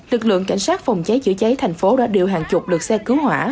lực lượng cảnh sát phòng cháy chữa cháy thành phố đã điều hàng chục lực xe cứu hỏa